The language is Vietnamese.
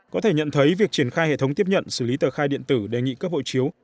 có thể nhận thấy việc triển khai hệ thống tiếp nhận xử lý tờ khai điện tử đề nghị cấp hộ chiếu